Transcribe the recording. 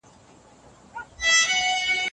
دا وسیله تر هغې بلې کوچنۍ ده.